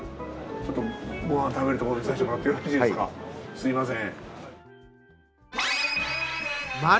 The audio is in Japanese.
すみません。